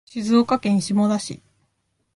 静岡県下田市